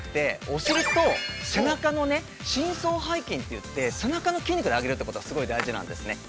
お尻と、背中の深層背筋といって、背中の筋肉で上げるということが大事なんですね。